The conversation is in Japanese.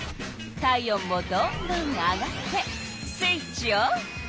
体温もどんどん上がってスイッチオン！